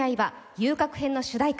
遊廓編の主題歌